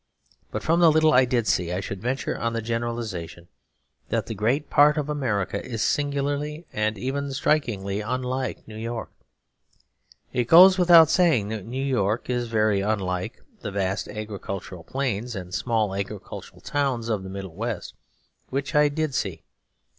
But from the little I did see, I should venture on the generalisation that the great part of America is singularly and even strikingly unlike New York. It goes without saying that New York is very unlike the vast agricultural plains and small agricultural towns of the Middle West, which I did see.